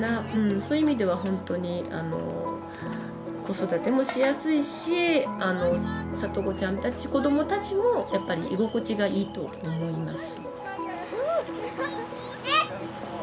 そういう意味ではほんとに子育てもしやすいし里子ちゃんたち子どもたちもやっぱり居心地がいいと思います。